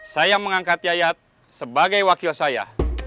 saya mengangkat yayat sebagai wakil saya